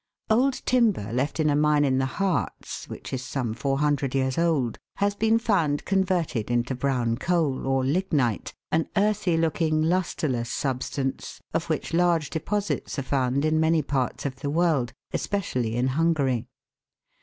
Old timber left in a mine in the Hartz which is some 400 years old has been found converted into brown coal, or lignite, an earthy looking, lustreless substance, of which large deposits are found in many parts of the world, especially in Hungary.